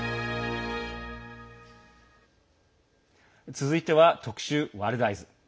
続いては特集「ワールドＥＹＥＳ」。